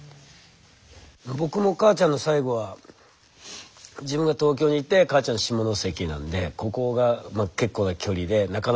僕も母ちゃんの最期は自分が東京にいて母ちゃん下関なんでここが結構な距離でなかなか会いに行けない。